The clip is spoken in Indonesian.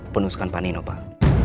penusukan panino pak